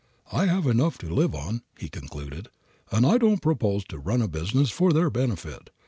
"I have enough to live on," he concluded, "and I don't propose to run a business for their benefit.